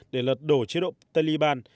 để lật đổ chế độ taliban